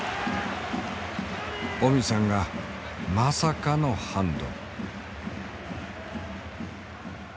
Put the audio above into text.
オミさんがまさかのハンド。